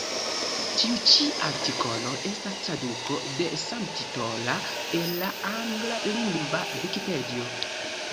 Tiu ĉi artikolo estas traduko de samtitola el la anglalingva Vikipedio.